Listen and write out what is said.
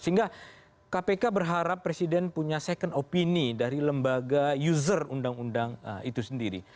sehingga kpk berharap presiden punya second opini dari lembaga user undang undang itu sendiri